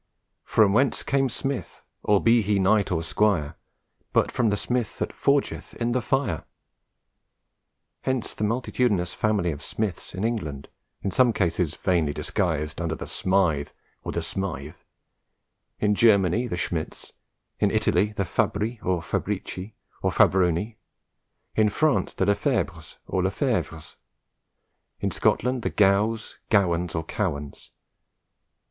"From whence came Smith, all be he knight or squire, But from the smith that forgeth in the fire?" Hence the multitudinous family of Smiths in England, in some cases vainly disguised under the "Smythe" or "De Smijthe;" in Germany, the Schmidts; in Italy, the Fabri, Fabricii, or Fabbroni; in France, the Le Febres or Lefevres; in Scotland, the Gows, Gowans, or Cowans.